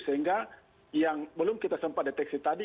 sehingga yang belum kita sempat deteksi tadi